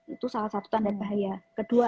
itu salah satu tanda bahaya kedua